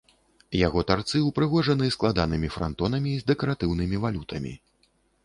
Яго тарцы ўпрыгожаны складанымі франтонамі з дэкаратыўнымі валютамі.